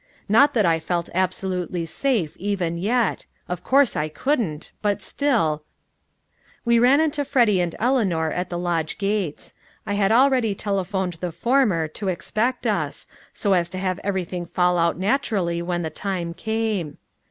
Not that I felt absolutely safe even yet of course I couldn't but still We ran into Freddy and Eleanor at the lodge gates. I had already telephoned the former to expect us, so as to have everything fall out naturally when the time came.